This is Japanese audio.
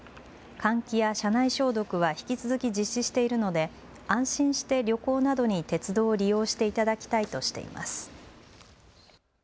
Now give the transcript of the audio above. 換気や車内消毒は引き続き実施しているので安心して旅行などに鉄道を利用していただきたいとしています。